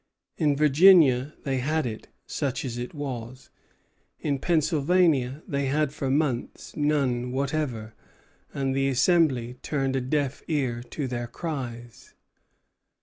In Virginia they had it, such as it was. In Pennsylvania they had for months none whatever; and the Assembly turned a deaf ear to their cries.